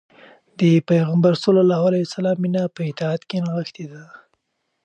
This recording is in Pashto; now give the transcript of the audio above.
د پيغمبر ﷺ مینه په اطاعت کې نغښتې ده.